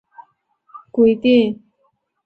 新建的巴姆郡将执行更严格的抗震规定。